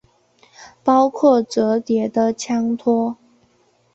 包括折叠的枪托。